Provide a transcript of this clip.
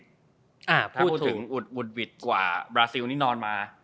พูดถึงอุดหวิดกว่าบราซิลนี่นอนมา